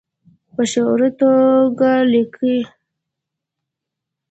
په شعوري توګه لیکي